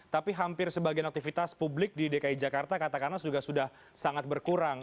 tapi hampir sebagian aktivitas publik di dki jakarta katakanlah sudah sangat berkurang